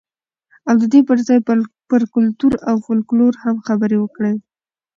او د دې ځای پر کلتور او فولکلور هم خبرې وکړئ.